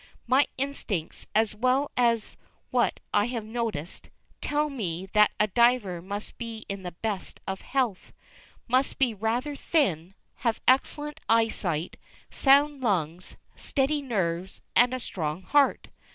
My instincts, as well as what I have noticed, tell me that a diver must be in the best of health, must be rather thin, have excellent eyesight, sound lungs, steady nerves, and a strong heart.